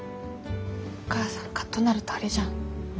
お母さんカッとなるとあれじゃん。